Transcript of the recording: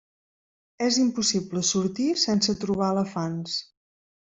És impossible sortir sense trobar elefants.